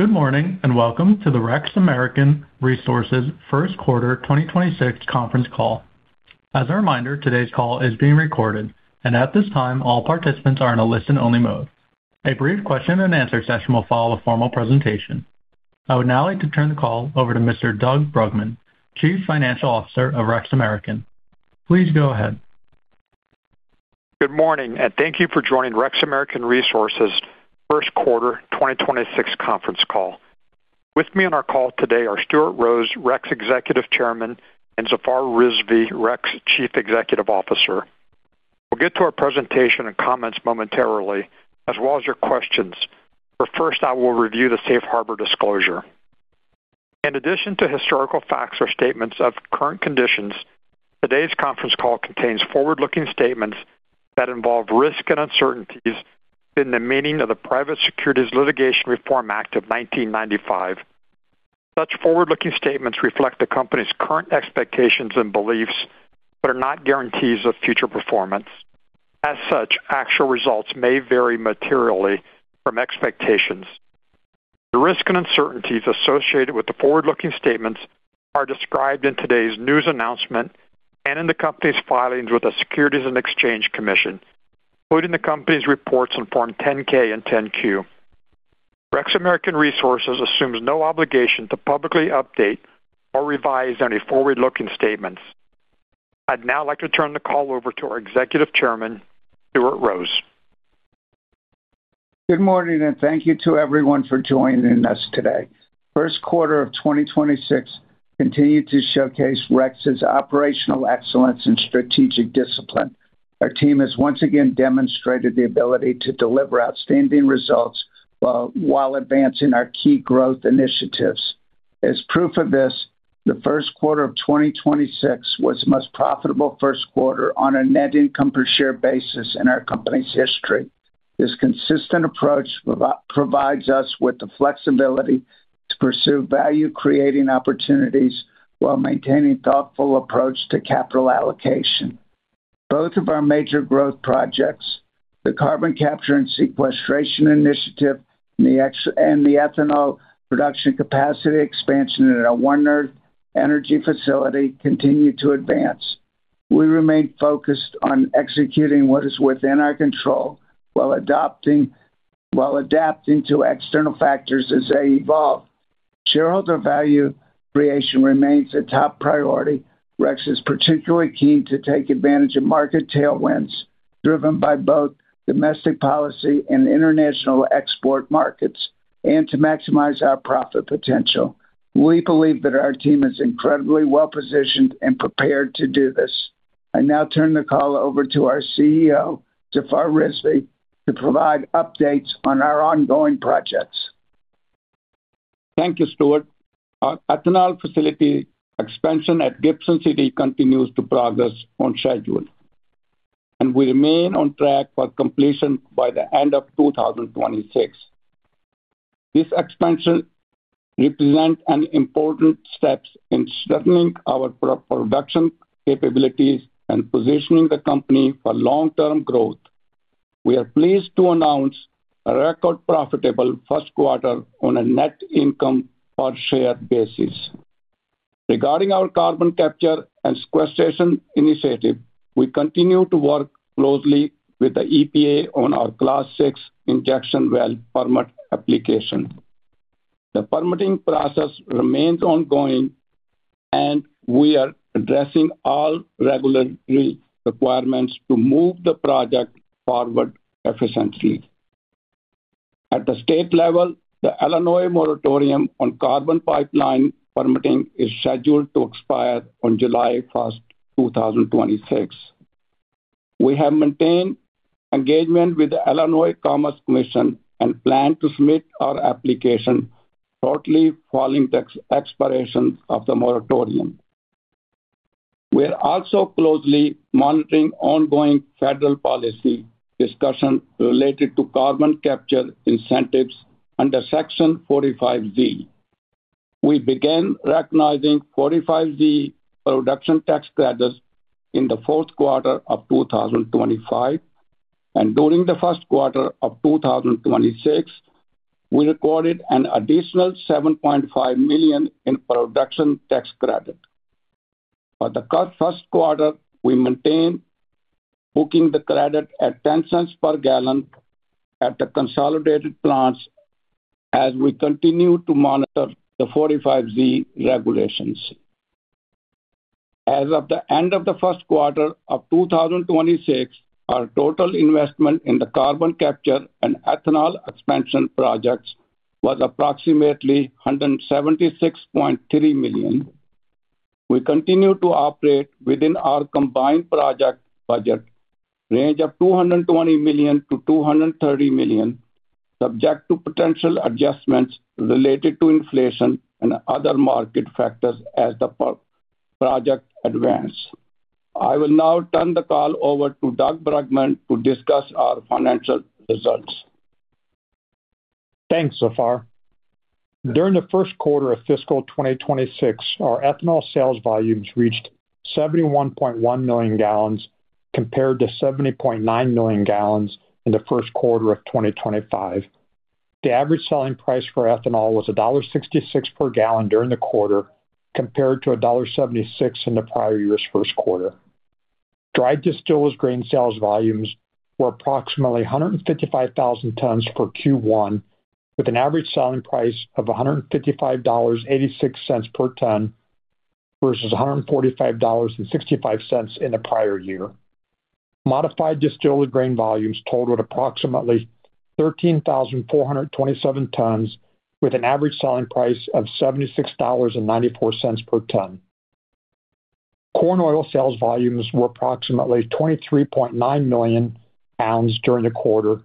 Good morning, welcome to the REX American Resources first quarter 2026 conference call. As a reminder, today's call is being recorded, and at this time, all participants are in a listen-only mode. A brief question and answer session will follow a formal presentation. I would now like to turn the call over to Mr. Doug Bruggeman, Chief Financial Officer of REX American. Please go ahead. Good morning, and thank you for joining REX American Resources first quarter 2026 conference call. With me on our call today are Stuart Rose, REX Executive Chairman, and Zafar Rizvi, REX Chief Executive Officer. We'll get to our presentation and comments momentarily, as well as your questions. First, I will review the safe harbor disclosure. In addition to historical facts or statements of current conditions, today's conference call contains forward-looking statements that involve risks and uncertainties in the meaning of the Private Securities Litigation Reform Act of 1995. Such forward-looking statements reflect the company's current expectations and beliefs, but are not guarantees of future performance. As such, actual results may vary materially from expectations. The risks and uncertainties associated with the forward-looking statements are described in today's news announcement and in the company's filings with the Securities and Exchange Commission, including the company's reports on Form 10-K and 10-Q. REX American Resources assumes no obligation to publicly update or revise any forward-looking statements. I'd now like to turn the call over to our Executive Chairman, Stuart Rose. Good morning, and thank you to everyone for joining us today. First quarter of 2026 continued to showcase REX's operational excellence and strategic discipline. Our team has once again demonstrated the ability to deliver outstanding results while advancing our key growth initiatives. As proof of this, the first quarter of 2026 was the most profitable first quarter on a net income per share basis in our company's history. This consistent approach provides us with the flexibility to pursue value-creating opportunities while maintaining thoughtful approach to capital allocation. Both of our major growth projects, the carbon capture and sequestration initiative and the ethanol production capacity expansion at our One Earth Energy facility, continue to advance. We remain focused on executing what is within our control while adapting to external factors as they evolve. Shareholder value creation remains a top priority. REX is particularly keen to take advantage of market tailwinds, driven by both domestic policy and international export markets, and to maximize our profit potential. We believe that our team is incredibly well-positioned and prepared to do this. I now turn the call over to our CEO, Zafar Rizvi, to provide updates on our ongoing projects. Thank you, Stuart. Our ethanol facility expansion at Gibson City continues to progress on schedule, and we remain on track for completion by the end of 2026. This expansion represents an important step in strengthening our production capabilities and positioning the company for long-term growth. We are pleased to announce a record profitable first quarter on a net income per share basis. Regarding our carbon capture and sequestration initiative, we continue to work closely with the EPA on our Class VI injection well permit application. The permitting process remains ongoing, and we are addressing all regulatory requirements to move the project forward efficiently. At the state level, the Illinois moratorium on carbon pipeline permitting is scheduled to expire on July 1st, 2026. We have maintained engagement with the Illinois Commerce Commission and plan to submit our application shortly following the expiration of the moratorium. We are also closely monitoring ongoing federal policy discussion related to carbon capture incentives under Section 45Z. We began recognizing 45Z production tax credits in the fourth quarter of 2025, and during the first quarter of 2026, we recorded an additional $7.5 million in production tax credit. For the first quarter, we maintain booking the credit at $0.10 per gallon at the consolidated plants as we continue to monitor the 45Z regulations. As of the end of the first quarter of 2026, our total investment in the carbon capture and ethanol expansion projects was approximately $176.3 million. We continue to operate within our combined project budget range of $220 million-$230 million, subject to potential adjustments related to inflation and other market factors as the project advance. I will now turn the call over to Doug Bruggeman to discuss our financial results. Thanks, Zafar. During the first quarter of fiscal 2026, our ethanol sales volumes reached 71.1 million gallons compared to 70.9 million gallons in the first quarter of 2025. The average selling price for ethanol was $1.66 per gallon during the quarter, compared to $1.76 in the prior year's first quarter. dried distillers grains sales volumes were approximately 155,000 tons for Q1, with an average selling price of $155.86 per ton versus $145.65 in the prior year. modified distillers grains volumes totaled approximately 13,427 tons, with an average selling price of $76.94 per ton. Corn oil sales volumes were approximately 23.9 million pounds during the quarter,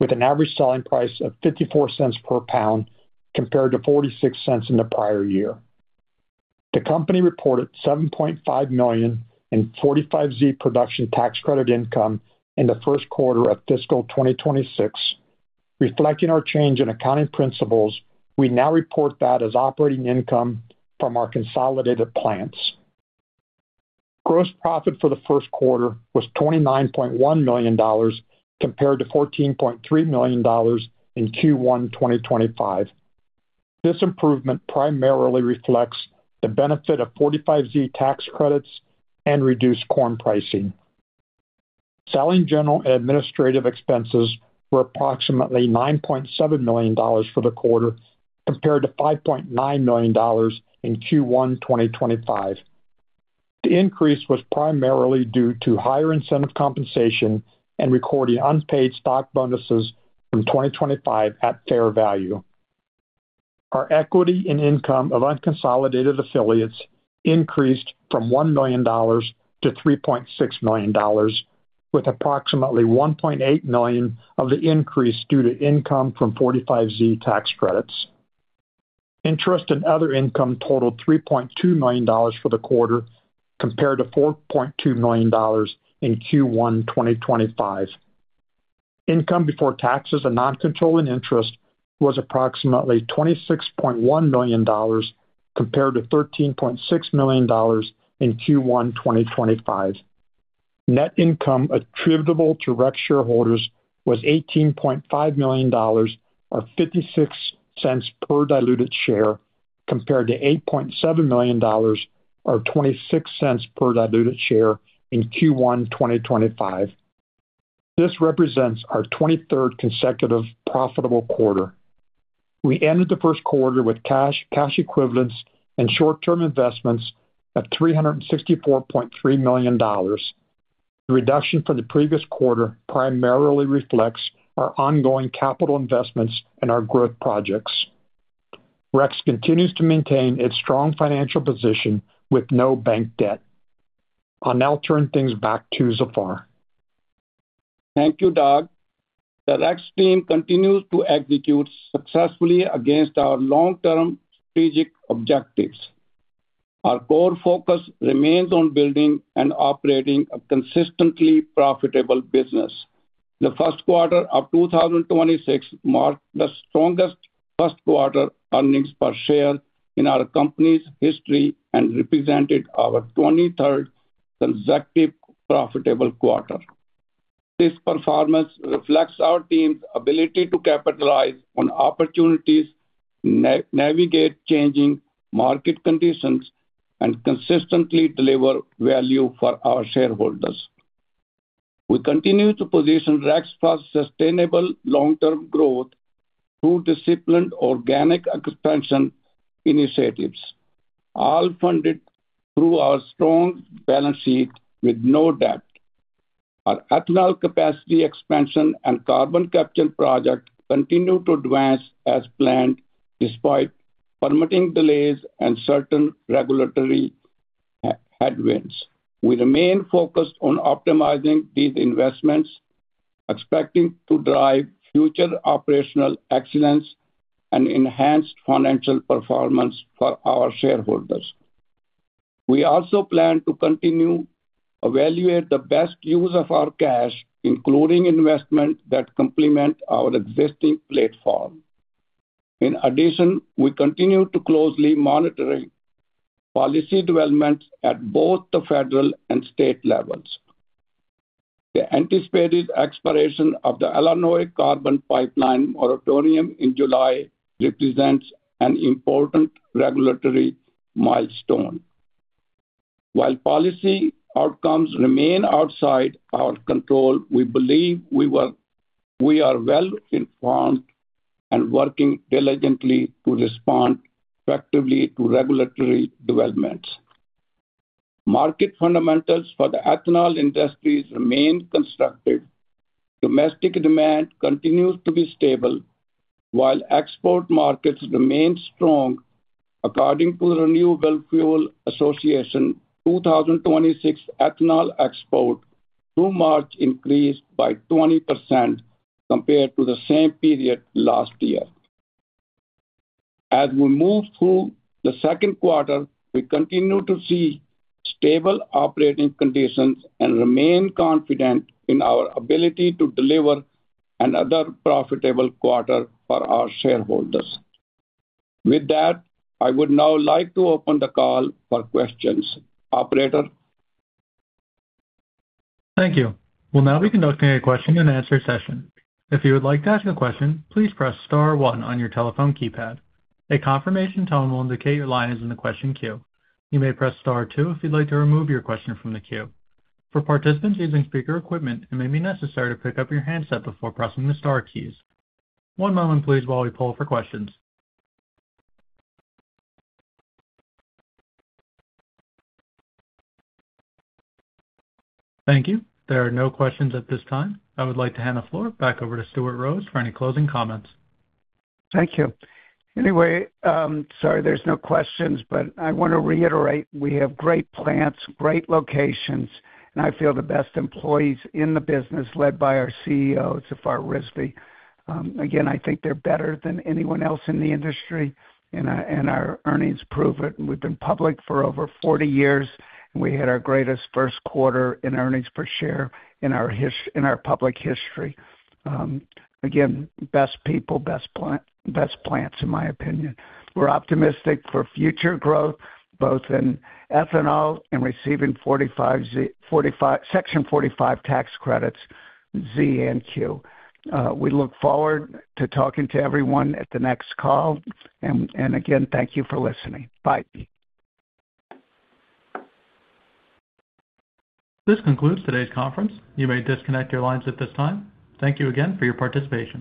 with an average selling price of $0.54 per pound, compared to $0.46 in the prior year. The company reported $7.5 million in 45Z production tax credit income in the first quarter of fiscal 2026. Reflecting our change in accounting principles, we now report that as operating income from our consolidated plants. Gross profit for the first quarter was $29.1 million, compared to $14.3 million in Q1 2025. This improvement primarily reflects the benefit of 45Z tax credits and reduced corn pricing. Selling general and administrative expenses were approximately $9.7 million for the quarter, compared to $5.9 million in Q1 2025. The increase was primarily due to higher incentive compensation and recording unpaid stock bonuses from 2025 at fair value. Our equity in income of unconsolidated affiliates increased from $1 million to $3.6 million, with approximately $1.8 million of the increase due to income from 45Z tax credits. Interest and other income totaled $3.2 million for the quarter, compared to $4.2 million in Q1 2025. Income before taxes and non-controlling interest was approximately $26.1 million, compared to $13.6 million in Q1 2025. Net income attributable to REX shareholders was $18.5 million, or $0.56 per diluted share, compared to $8.7 million, or $0.26 per diluted share in Q1 2025. This represents our 23rd consecutive profitable quarter. We ended the first quarter with cash equivalents, and short-term investments of $364.3 million. The reduction for the previous quarter primarily reflects our ongoing capital investments in our growth projects. REX continues to maintain its strong financial position with no bank debt. I'll now turn things back to Zafar. Thank you, Doug. The REX team continues to execute successfully against our long-term strategic objectives. Our core focus remains on building and operating a consistently profitable business. The first quarter of 2026 marked the strongest first quarter earnings per share in our company's history and represented our 23rd consecutive profitable quarter. This performance reflects our team's ability to capitalize on opportunities, navigate changing market conditions, and consistently deliver value for our shareholders. We continue to position REX for sustainable long-term growth through disciplined organic expansion initiatives, all funded through our strong balance sheet with no debt. Our ethanol production expansion and carbon capture project continue to advance as planned, despite permitting delays and certain regulatory headwinds. We remain focused on optimizing these investments, expecting to drive future operational excellence and enhanced financial performance for our shareholders. We also plan to continue evaluate the best use of our cash, including investment that complement our existing platform. In addition, we continue to closely monitoring policy developments at both the federal and state levels. The anticipated expiration of the Illinois carbon pipeline moratorium in July represents an important regulatory milestone. While policy outcomes remain outside our control, we believe we are well-informed and working diligently to respond effectively to regulatory developments. Market fundamentals for the ethanol industries remain constructive. Domestic demand continues to be stable while export markets remain strong. According to the Renewable Fuels Association, 2026 ethanol export through March increased by 20% compared to the same period last year. As we move through the second quarter, we continue to see stable operating conditions and remain confident in our ability to deliver another profitable quarter for our shareholders. With that, I would now like to open the call for questions. Operator? Thank you. We'll now be conducting a question and answer session. If you would like to ask a question, please press star one on your telephone keypad. A confirmation tone will indicate your line is in the question queue. You may press star two if you'd like to remove your question from the queue. For participants using speaker equipment, it may be necessary to pick up your handset before pressing the star keys. One moment please while we poll for questions. Thank you. There are no questions at this time. I would like to hand the floor back over to Stuart Rose for any closing comments. Thank you. Sorry there's no questions, but I want to reiterate we have great plants, great locations, and I feel the best employees in the business led by our CEO, Zafar Rizvi. I think they're better than anyone else in the industry, and our earnings prove it. We've been public for over 40 years. We had our greatest first quarter in earnings per share in our public history. Best people, best plants in my opinion. We're optimistic for future growth, both in ethanol and receiving Section 45 tax credits, Z and Q. We look forward to talking to everyone at the next call. Thank you for listening. Bye. This concludes today's conference. You may disconnect your lines at this time. Thank you again for your participation.